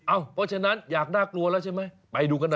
เพราะฉะนั้นอยากน่ากลัวแล้วใช่ไหมไปดูกันหน่อย